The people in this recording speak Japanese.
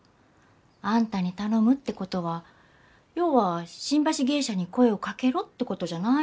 あんたに頼むってことはようは新橋芸者に声をかけろってことじゃないの？